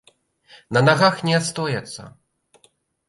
На нагах ні астояцца.